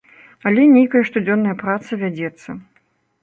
Але нейкая штодзённая праца вядзецца.